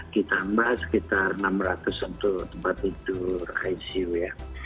ditambah sekitar enam ratus untuk tempat tidur icu ya